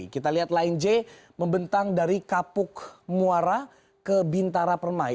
kita lihat line j membentang dari kapuk muara ke bintara permai